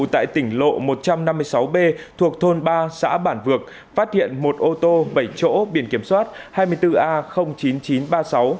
tại tỉnh lộ một trăm năm mươi sáu b thuộc thôn ba xã bản vược phát hiện một ô tô bảy chỗ biển kiểm soát hai mươi bốn a chín nghìn chín trăm ba mươi sáu